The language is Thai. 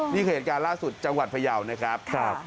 เหตุการณ์ล่าสุดจังหวัดพยาวนะครับ